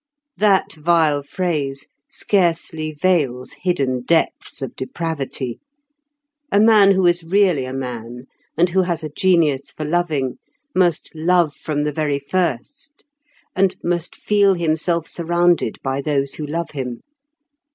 That vile phrase scarcely veils hidden depths of depravity. A man who is really a man, and who has a genius for loving, must love from the very first, and must feel himself surrounded by those who love him.